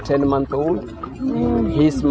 đây là lít của trái tim